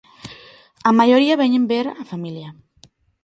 A maioría veñen ver a familia.